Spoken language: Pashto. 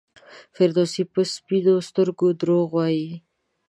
فردوسي په سپینو سترګو دروغ وایي.